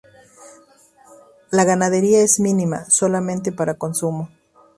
La ganadería es mínima, solamente para consumo.